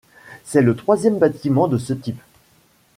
C'est le troisième bâtiment de ce type.